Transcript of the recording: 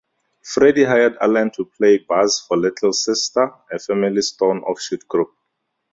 Freddie hired Allen to play bass for Little Sister, a Family Stone offshoot group.